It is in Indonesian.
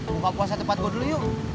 buka puasa tempat gue dulu yuk